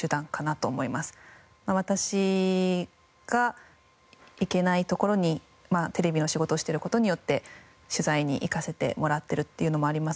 私が行けない所にテレビの仕事をしている事によって取材に行かせてもらってるっていうのもありますし。